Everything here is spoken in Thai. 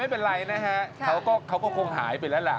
ไม่เป็นไรนะฮะเขาก็คงหายไปแล้วล่ะ